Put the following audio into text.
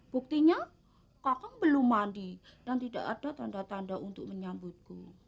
buktinya kakang belum mandi dan tidak ada tanda tanda untuk menyambutku